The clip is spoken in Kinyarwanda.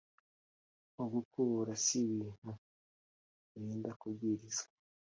nko gukubura si ibintu urinda kubwirizwa,